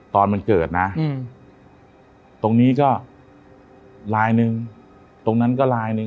ตอนมันเกิดนะอืมตรงนี้ก็ลายหนึ่งตรงนั้นก็ลายหนึ่ง